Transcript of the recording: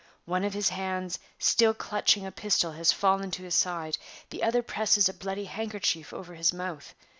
One of his hands, still clutching a pistol, has fallen to his side; the other presses a bloody handkerchief over his mouth.